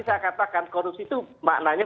saya katakan korupsi itu maknanya